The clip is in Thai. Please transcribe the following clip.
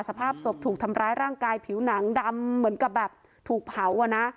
สภาพศพถูกทำร้ายร่างกายผิวหนังดำเหมือนกับแบบถูกเผาอ่ะนะ